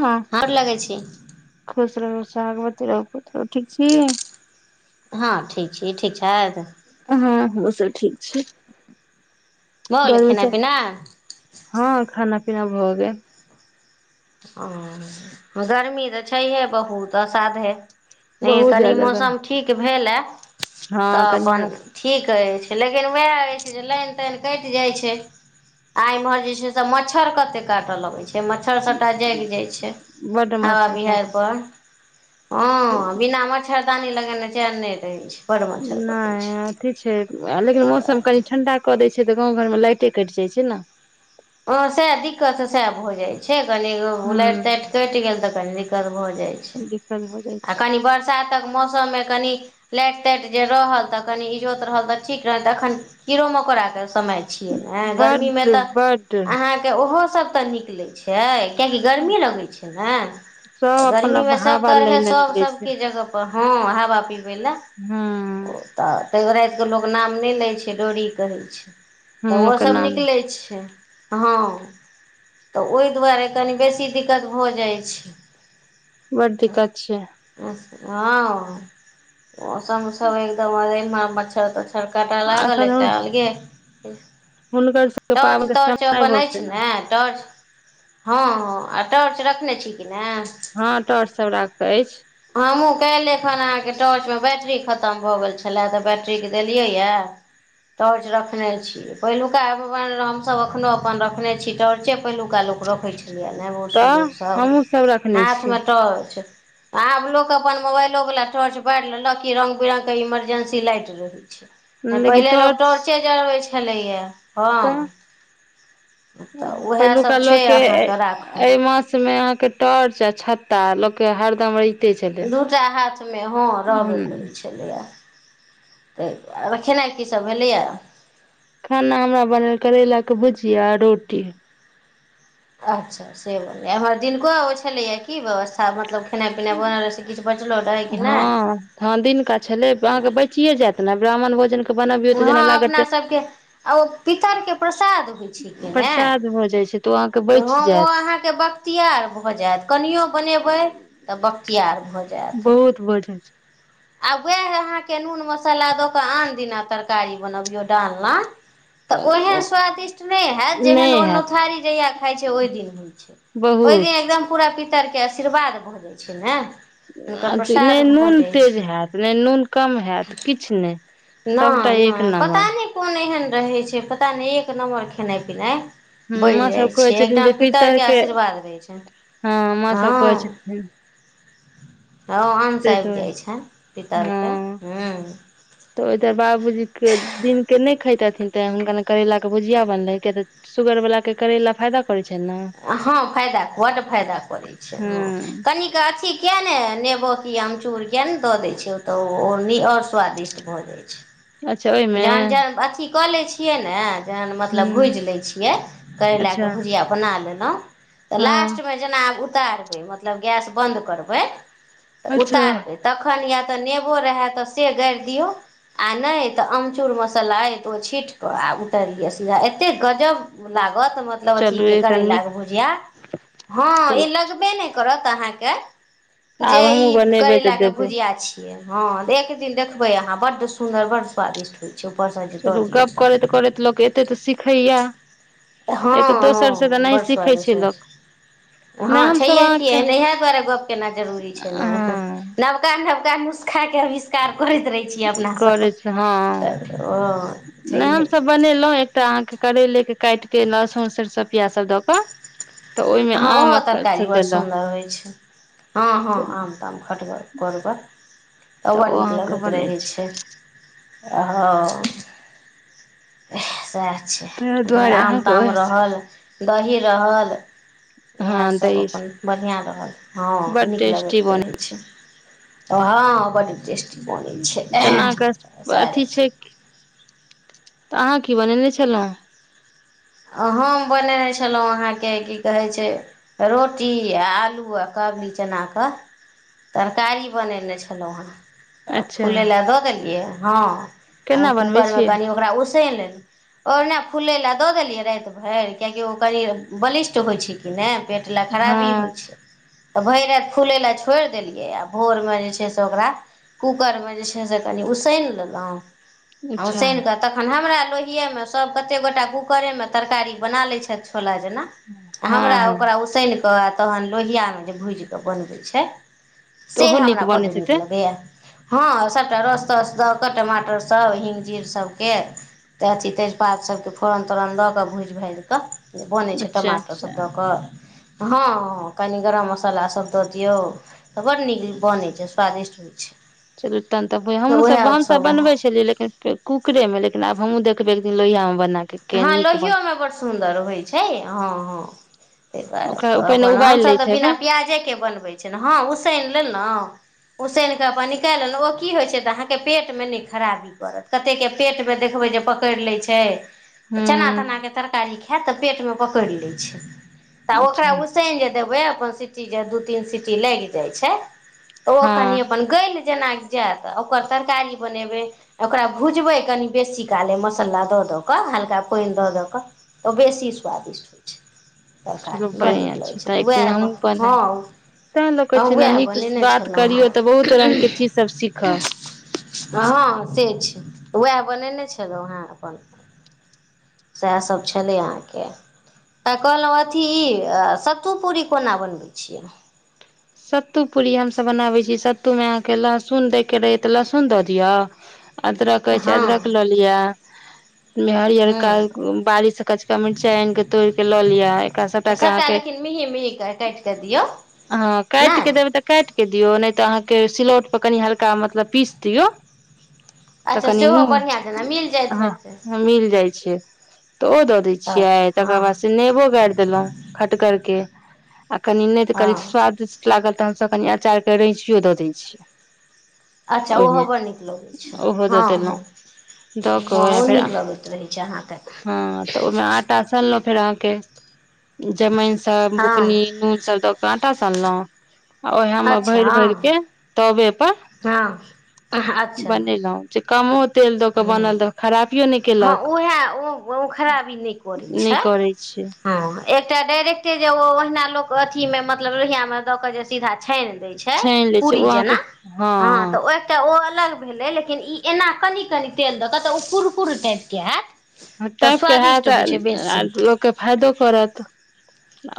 हँ हार लगै छी। खुश रहू, सोहागवती रहु, पुत्रव- ठीक छी? हँ ठीक छी। इ ठीक छैइथ हँ हमहूँ सब ठीक छी। भऽ गेलै घरमे खेनाइ सब पिना हँ खाना पीना भऽ गेल। ओ गर्मी तऽ छैहे बहुत। असाधे नै बहुत अकनि ज्यादा मौसम गर्मी ठीक भेले। तऽ हँ अपन कनिया ठीक अइछ, लेकिन वैह अइछ जे लाइन- ताइन कइट जाइ छै। आ इम्हर जे छै से मच्छर कत्ते काटऽ लगै छै। मच्छर टा जाइग जाइ छै। बड्ड हवा मच्छर बिहैइड़ काटै पर छै हँ बिना मच्छरदानी लगेने चैन नय रहै छै। बड मच्छर कटै नहि छै अथी छै लेकिन ताहि दुआरे मौसम कनि ठण्डा कऽ दै छियै तऽ गाँव घर में लाइटे कटि जाइ छै न। हँ सएह दिक्कत तऽ सएह भऽ जाइ छै, कनि ओ लैट ताइट हूँ कैट गेल तऽ कनि दिक्कत भऽ जाइ छै, दिक्कत भऽ जाइ आ छै कनि बरसातक मौसम में कनि लैट- ताइट जे रहल तऽ कनि इजोत रहल, तऽ ठीक रहल त अखन कीड़ो मकोड़ा के समय छियै ने, गर्मी बड्ड मे तऽ। बड्ड। अहाँके ओहो सभ तऽ निकलै छै, कियकि गर्मी लगैत छै सब ने। अपन गर्मी में सब हवा लै तरहे लए सब निकलै छै सबके जगह पर, हँ हवा पिबै लए। हूं। ओ तऽ तैयो राइतके लोक नाम नै लै छै, डोरी कहै छै। हूँ ओहो ओकर सब नाम निकलै छै हँ। तऽ ओए दुआरे कनि बेसी दिक्कत भऽ जाइ छै। बड़ दीक्कत छै। हँ ओ समय सब महिना एकदम मच्छर तछर तऽ काटा आ लागल एखन एकटा अलगे हुनकर सबके पाबैन के संग पन अछि ने टॉर्च हँ -हँ आ टॉर्च रखने छी कि ने? हँ टॉर्च सब राखक ऐछ। हमहूँ कैले खन अहाँके टोर्च मे बैटरी खत तम भऽ गेल छलए तऽ बैट्रीक देलियै यऽ। टॉर्च रखने छी, पहिलुका एगो अनलौं हम सब अखनो अपन रखने छी, टाॅर्चे पहिलुका लोक रख रखै छलैये ने बुढ़सूर तऽ लोक सब हमहुँ रखने हाथ छी में टॉर्च। आब लोक अपन मोबाइलों बला टॉर्च बैर लेलक, कि रंगगश बिरंग के इमरजेंसी लाइट रहै छै। नै लेकिन पहिले लोक टॉर्च टॉर्चे जरबै छलैया हंऽ। तऽ पहिलुका सब लोक छै के अहाँके राखल अइ मास मे अहाँके टॉर्च आ छत्ता लोक के हरदम रै दूटा हाथ मे हॅं रहबे करै ह छलै। छलैए तइ दुआरे खेनाइ की सब भेलैए। खाना हमरा बनल करैला के भुजिया, रोटी। अच्छा से बनलै, एमहर दिनको ओ छलैए की व्यवस्था मतलब खेनाइ पिनाइ बनल रह से किछ बचलो रहे। हँ -हॅं दिनका छलै, अहाँके बचिए जैत ने ब्राह्मण भोजन बनबीयो तऽ जेना हँ अपना लागत। सबके आ ओ पितर के प्रसाद होइ छैयकिने प्रसाद भऽ जाइ छै तऽ ओ अहाँके तऽ, बचि हम ओ जायत अहांके बक तियार भए जैत कनियो बनेबै तऽ बख्तियारर भऽ जैत। बहुत बढ़िया छै। आ वैह अहाँके नून मसाला दऽ कऽ आन दिना तरकारी बनबियौ डालना तऽ ओहेन स्वादिष्ट नय हैत, जेहन नहि ओ हैत नथारी जहिया खाइ छै ओहि दिन होइ छै। ओए बहुत दिन एकदम पूरा पितरके आशीर्वाद भऽ जाइ छै ने। हुनकर अथी नहि प्रसाद भऽ नून जाइत तेज छै। नून कम हैत। किछु नहि सबटा नैऽ- एक नैऽ पता नम्बर नै कोन एहन रहै छै, पता नै एक नम्बर खेनाइ पिनाइ। हूँ बैन माँ सब जाय कहै छै एकदम पितर के आशीर्वाद रहै छैन। हां माँ सब कहै छथिन। हां अंश ताहि आएब दुआरे जाय छै पितर के हँ हुं। तऽ ओय तर बाबूजी के दिनक के नै खैतियेथिन तेंऽ हुनका लै करैला के भुजिया बनलै किया तऽ सुगर बला के करेला फायदा करै छै ने हां फायदा बड फायदा करै छै, हां हूँ कनी के अथी किया नै नेबो कि आमचूर किया नै दऽ दै छियै ओ तऽ ओ नी और स्वादिष्ट भऽ जाय छै। अच्छा ओहिमे जहन जर अथी कऽ लै छियै नै तेहेन मतलब हूँ भुज लै छियै तै लाए अच्छा कऽ भुजिया बना लेलौ। तऽ हँ लास्टमे जेना आब उतारबै मतलब गैस बन्द करबै। तऽ अच्छा उतारबै तखन या तऽ नेबो रहाए तऽ से गाएड़ दियौ आ नै तऽ अमचूर मसल्ला अय तऽ ओ छीट कऽ आ उताएर लियौ सीधा एते गजब लागत म तलब अथी चलू के एकटा करैला नीक के भुजिया हां छै ई लगबे नै करत अहाँ के जे आब ई हमहूँ बनेबै तऽ करैला के देबै भुजिया छी ये, हां एक दिन देखबै अहाँ बड सुन्दर बड़ स्वादिष्ट होय छै ऊपर से चलु गप्प करैत-करैत लोक एतै तऽ सिखैया। हँ एक-दोसर से तऽ हँ नै सीखै छै लोक। नहि हां हमसभ छैेहये कि अहाँके [unintelligible] इहाए दुआरे गप्प केना जरूरी छै नै हँ नब का नबका नुस्खा के अविष्कार करैत रहि छी अपना सब करै छै हँ ते ओ छैहये की। बनैलौ एकटा अहाँ के करैले के काट के लहसुन, सरसो, पियाज सब द कऽ। तऽ ओहिमे हां उहो आम से तरकारी बड़ देलक सुन्दर होय छै। हां-हां तऽ आम-ताम खटगर करगर अ बड़ ओ नीक अहाँके लगैत बनै रहै छै। अ हां साएह। अच्छा ताहि इम्हर दुआरे अहाँके आम-ताम ओह रहल, दही रहल। हँ इहाए सब दही अपन बढ़ियाँ रहल हां बड नीक टेस्टी लगैत रहै बने छै। अ हां बड टेस हुं तना कऽ अथी छै तऽ अहाँ की बनैने छलौ। हम बनैने छलौ अहाँ के की कहै छै रोटी आ आलू आ काबुली चना कऽ तरकारी बनैने छलौ हें। आ अच्छा फुलै लए दऽ देलियै हां उ केना बनबै कुकर मे छियै कनि ओकरा उसैन लेल और ना फूलै लए दऽ देलियै राएत भैर कियाकि ओ कनि बलिष्ठ होय छै कि नै पेट लै हँ खराबी होय छै। तऽ भैर राएत फुलै लए छोड़ देलियै आ भोर मे जे छै से ओकरा कुकर मे जे छै से कनि उसैन लेलौ। आ अच्छा उसैन कऽ तखन हमरा लोहिये मे सब कते गोटा कु करे मे तरकारी बना लै छैथ छोला जना हँ हमरा हँ ओकरा उसैन कऽ आ तहन लोहिया मे जे भुज कऽ बनबै छै। तऽ से ओहो नीक हमरा बड बनैत नीक हेतै लगैया। हां सबटा रस-तस दऽ कऽ टमाटर सब हिंग, जीर सबके। ते अथी तेजपात सबके फोरन तोरन दऽ कऽ भुज-भाज कऽ जे बनै छै अच्छा टमाटर अच्छा सब दऽ कऽ। हां-हां कनि गरम मसल्ला सब दऽ दियौ। त बड्ड नीक बनैत छै स्वादिष्ट होइ छै। चलू तन तऽ हमूँसभ हमसभ बनबै छलियै लेकिन। कुकरे मे लेकिन आब हमूँ देखबे एक दिन लोहिया मे बना के। कऽ हँ नीक बन लोहियओमे बड्ड सुन्दर होइ छै हँ हँ। ताहि ओकरा बाद पहिने अपन उबालि हमसभ लैत तऽ बिना हेबै प्याजेके बनबै छै हँ उसेन लेलहुँ। उसन कऽ अपन निकालि लेलहुँ ओ की होइ छै तऽहके पेटमे नहि खराबी पड़तत। कते के पेट मे देखबे जे पकड़ लै छै। तऽ हूँ चना तनाके तरकारी खायत तऽ पेटमे पकड़ लै छै। तऽ ओकरा अच्छा उसैन जे देबै अपन सीटी जे दू तीन सीटी लागि जाइ छै। तऽ ओ हँ कनि अपन गैल जेनााकि जायत ओकर तरकारी बनेबै। ओकरा भुजबै कनि बेसी काले मसाला दऽ दऽ कऽ हल्का। पानि दऽ द क तऽ बेसी स्वादिष्ट होइत छैय। चलू तड़कारी बड़ नीक बढ़िआँ लगै छै तऽ एक दिन उएह हमहूँ बनायब हँ। तैं लोक कहै हम छै ने उएह नीक बनेने बात छलहुँ करियौ तऽ बहुत हेँ। रंगके चीज सब सीखब हँ से छै उएह बनेने छलहुँ हेँ अपन। सएह सभ छलै अहाँके। तऽ कहलहुँ अथी ई सत्तू पूरी कोना बनबै छियै। सत्तू पूरी हम सब बनाबे छीयै सत्तू मे अहाँ के लहसुन देय के रहे ते लहसुन द दियअ। अदरक अछि हँ अदरक लऽ लिअ। हरियर क हँ बारीसँ कचका मिरचाई आनि के तोरि के लऽ लिअ एकरा सबटा के अहाँके। मेही मेहीके काटि कऽ दियो। काटिक देबय तऽ काटिक दियौ नहि तऽ अहाँके सिलौट पर कनि हल्का मतलब पीस दियौ। तऽ अच्छा कनि सेहो मुँह बढ़िआं जना। हँ मिल जाइ छै। तऽ ओ दऽ दै छियै अच्छा तकर हँ बाद से नेबो गाारि देलहुॅं। खटगर के आ कनि नहि तऽ कनि हँ स्वाद। लागल तऽ हमसब कनि अचार के रैंचियो दऽ दै छियै। अच्छा ओहो ओहिमे बड़ नीक लगै छै ओहो हँ दऽ हँ। देलहुँ दऽ कऽ या ओहो फेर नीक लगैत रहैत छै अहाँके। हँ तऽ ओहिमे आटा सनलहुं फेर अहाँके जमाइन सब बुकनी हँ नून सब दके। आटा सनलहु। आ ओहि मे अच्छा भरि भरि के हँ तवे पर हँ अच्छा बनेलहुॅं। से कमो तेल द के हँ बनल त खराबियो नहि केलक। हँ उएह ओ खराबी नहि करै नहि छै। करै छै ह एकटा डायरेक्टे जे ओ ओहिना लोक अथी मे मतलब लोहिया मे द के जे सीधा छानि देय छै। छानि लै छै पूरी ओ अहाँके जेना हँ तऽ ओहि। तऽ ओ अलग भेलै लेकिन ई एना कनि -कनि तेल दऽ कऽ तऽ ओ कुरकुर टाइपके हैत। तऽ टाइपके हैत स्वादिष्ट होइ छै आ बेसी लोकके फायदो करत।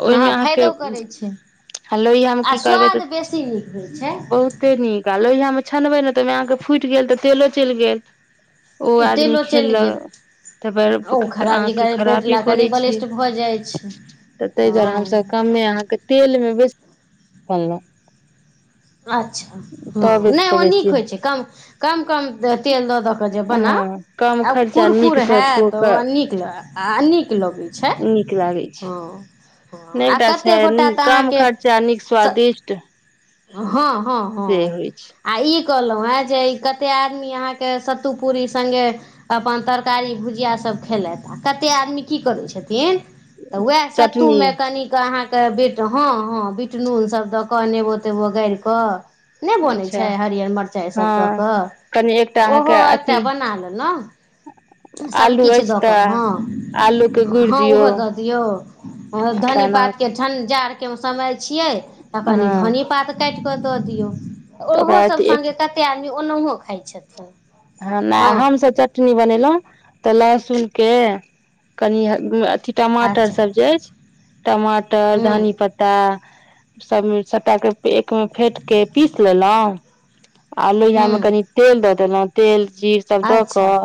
ओहिमे हँ अहाँके। फायदो करै छै ह लोहियामे आ की करबै तऽ स्वाद बेसी नीक होइ छै बहुत। कते न आ लोहिया मे छनबेै ने तऽ अहाँके फूटि गेल तऽ तेलो चलि गेल। ओ आदमी तेलो खेल। चलि गेल ओ अहां खराबी के करै पेट खराबी लए करै कनि छ बलिष्ट भऽ जाइ छै तऽ ताहि दुआरे हँ हमसब। कमे अहाँके तेलमे बेसी सनलहुँ। अच्छा। हँ तबे नै पर ओ बेसी नीक होइ छै कम- कम- कम तेल दऽ दऽ कऽ जे हँ बनाउ। कम खर्चा नीक हेएत ओ नीक आ नीक लगै छै। हँ। हँ नै आ एकटा छै कतेक गोटा तऽ कम अहाँके खर्चा नीक स्वादिष्ट। हँ हँ से हँ। होइ छै आ ई कहलहु हें जे कते आदमी अहाँके सत्तू पूरी संगे अपन तरकारी भुजिया सब खेलथि आ कते आदमी की करै छथिन तऽ वेएह सत्तू चटनी मे कनिक अहाँके बिट हँ हँ बिटनून सब दऽ कऽ नेबो तेबो गारि कऽ नै बनै अच्छा छै हरियर मरचाय सब दऽ हँ कऽ कनि एकटा ओहो अहाँके एकटा अथी बना लेलहु आलू सबकिछ अछि दऽ कऽ तऽ हँ। आलू के गुड़ि हँ दियौ ओहो दऽ दियौ आ धनी तहन पात काटि के अखन जाड़के समय छियै तऽ कनि हँ धन्नी पात काटि कऽ दऽ दियौ। तऽ ओहो ओकरा सब सङ्गे एक कते आदमी ओनौहो खाइ छथिन। आ नै हँ हम सब च चटनी बनेलहु त लहसुन के कनि अ - अथि टमाटर अच्छा सब जे अइछ टमाटर हूँ धनी पत्त टा सब - सबटा के एक मे फेंट के पीस लेलौ। आ लोहिया हूँ मे कनि तेल दऽ देलौं। तेल जीर सब दऽ अच्छा कऽ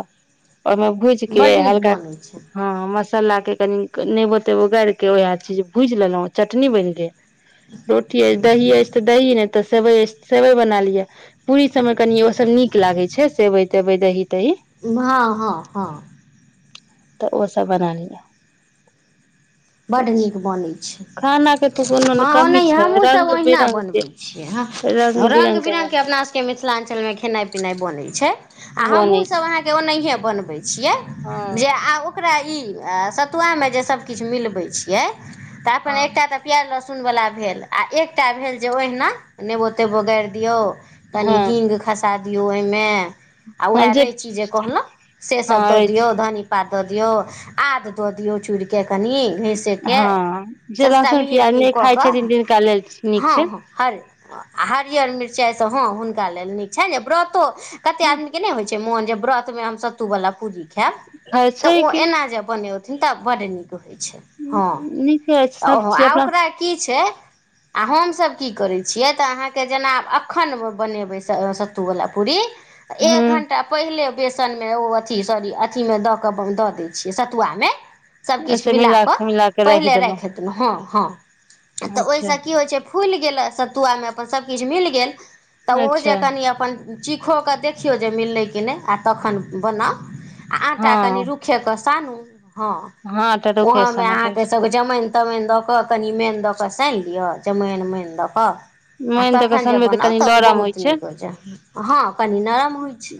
ओइ मे भूजि के बड्ड नीक हल्का बनै छै हँ हॅं मसल्ला के कनिक नेबो तेबो गारि के वेएह चीज भुइज लेलौं चटनी बैन गेल। रोटी अइछ दही अइछ त दही, नै त सेवइ अइछ त सेबइ बना लियऽ, पूरी समे कनी ओ सब नीक लागै छै। सेबइ - तेबइ दही - तही। भा हँ हँ। त ओ सब बना लियऽ। बड्ड नीक बनै छै। खाना के तऽ कोनो हँ कमी ओनहिये छै हमहूँ सब रंग ओहिना बिरंग के बनबै छियै रंग बिरंग के अपना के मिथिलांचल मे खेनाइ- पिनाइ बनै छै आ हमहुँ बनै सब छै अहाँके ओनहिये बनबै छियै। जे हँ आ ओकरा ई अ सतुआ मे जे सब किछ मिलबै छियै तऽ अपन एकटा त प्याज़ लहसुन बला भेल आ एकटा भेल जे ओहिना नेबो तेबो गारि दियौ। कनि हँ हींग खसा दियौ ओय मे। आ उएह रैंची जे कहलहुं से हँ सब दऽ दियौ अछि धनी पात दऽ दियौ आद दऽ दियौ चूड़ि के कनि घैंसे के हँ जे सब सटा लहसुन मिही - प्याज मिही नहि कऽ खाइ कऽ छथिन तिनका लेल नीक हँ छै हँ। हरि आ हरियर मिरचाइ सँ हँ हुनका ले नीक छैन जे ब्रत तो कते आदमी के नै होइ छै मोन जे ब्रत मे हम सत्तू बला पूरी ख़ेएब। खाइ तऽ छै ओ कि एना जे बनेओथिन तऽ बड नीक होइ छै। हँ नीके अछि त सब ओहो चीज आ अपना ओकरा की छै आ हमसब की करै छियै त अहाँके जेना आब अखन बनेबै सत्तूवला पूरी एक हूँ घण्टा पहिले बेसन मे ओ अथी सॉरी अथी मे दऽ कऽ दऽ दै छियै सतुवा मे। सब किछ अच्छा मिलेए मिला कऽ के मिला के पहिले देलहुँ राखि हेथिन हँ हँ त ओइ अच्छा से की होइ छै फुलि गेल सतुवा मे अपन सबकिछ मिल गेल त ओ जे अच्छा कनी अपन चीखो कऽ देखियौ जे मिललै कि नै आ तखन बनाउ आ आटां कनी हँ रुख रुखे के सानू, ह, हँ टटोखे वहों में साना अहा के पड़ै छै त जमाइन -तमाइन द क कनि मैन द क, सानि लिअ, जमाइन मैन द क। आ मोनि दऽ कऽ तखन जे सनबै तऽ बनाउ कनि त, ओ लरम होइ बहुत छै नीक होइछै, हँ, कनी नरम होइत छै।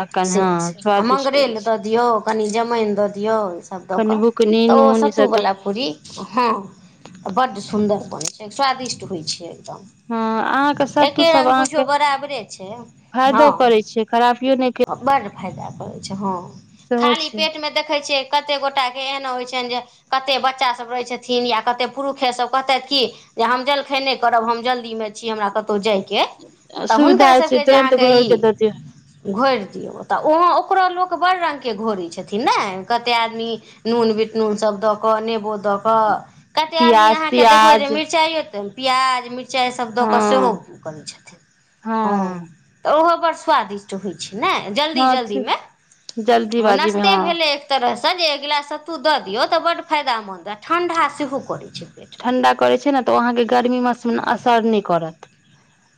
अखन से, हँ आ स्वादिष्ट होइ मंगरैल छै द दियौ, कनि जमाइन द दियौ, ईसभ द कनि बुकनि नून इसब त पूड़ी हँ, त बड़ सुन्दर बनै छै, स्वादिष्ट होइ छै एकदम। हँ अहाँके सत्तू एके सब रंग बुझियों अहाँके जे बराबरे छै फायदो हँ। करै छै खराबियो नहि बड़ फायदा कड़ै छै, हँ। सेहो खाली छै पेट में देखै छियै कते गोटा के एहन होइ छैन जे कते बच्चासभ रहै छथिन, या कतेक पुरुखे सभ कहतेथ कि जे हम जलखे नहि करब, हम जल्दी में छी, हमरा कत जाइके अई, त सुविधा हुनका होइ सब छै के जाय तुरन्त अहाँके घोर ई के दऽ दियौ घोर दियौ, त ओ हाँ ओकरो लोक बड़ रंगके घोरै छथिन ने, कतेक आदमी नून, बिट नून, सब द क नेबो द क, कते आदमी प्याज अहाँ के देखबे जे, तियाज मिर्चा दत्त प्याज, मिर्चा चाय, सब द के हँ सेहो करैत छथीन, हाँ। हँ ते वोह बर स्वादिष्ट होइ छै ने, हँ जल्दी-जल्दी में, जल्दीबाजी मे नस्ते हँ भेलै एक तरहसँ जे एक गिलास सत्तू द दियौ, त बड़ फायदामन्द, आ ठण्डा सेहो करैत छै पेट। ठंडा करे छै ने, तऽ ओ अहाँके गर्मी मास मे असर नेए करत।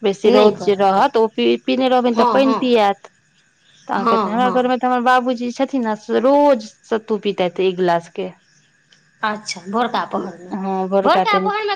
बेसी नहि रौद जे करत रहत, ओ पीने रहबनि त हँ पानी हँ पीत त हँ अहाँके। हमरा हँ घर मे हमर बाबूजी छथिन ने, से रोज सत्तू पितैत एक गिलास के। अच्छा! भोरका पहर मे। हँ, भोड़का टाइम के।